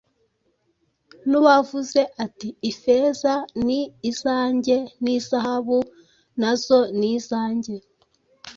n’uwavuze ati: “ifeza ni izanjye, n’izahabu na zo ni izanjye.”